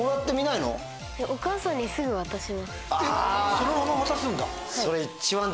そのまま渡すんだ？